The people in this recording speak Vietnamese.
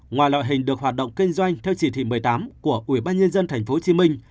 ngoài loại hình được hoạt động kinh doanh theo chỉ thị một mươi tám của ubnd tp hcm